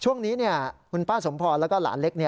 ช่วงนี้คุณป้าสมพรแล้วก็หลานเล็ก